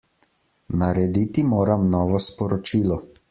Narediti moram novo sporočilo.